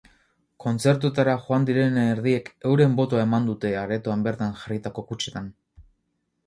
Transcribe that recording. Kontzertuetara joan direnen erdiek euren botoa eman dute aretoan bertan jarritako kutxetan.